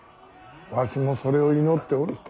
わしもそれを祈っておる。